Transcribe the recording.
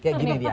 kayak gini dia